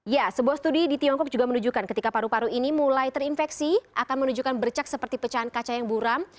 ya sebuah studi di tiongkok juga menunjukkan ketika paru paru ini mulai terinfeksi akan menunjukkan bercak seperti pecahan kaca yang buram